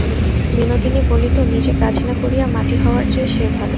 বিনোদিনী বলিত, নিজে কাজ না করিয়া মাটি হওয়ার চেয়ে সে ভালো।